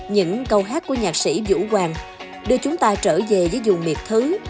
những câu hát của nhạc sĩ vũ hoàng đưa chúng ta trở về với vùng miệt thứ